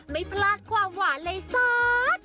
ไม่พลาดความหวานเลยซอส